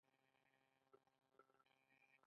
ایا زه به وکولی شم واده وکړم؟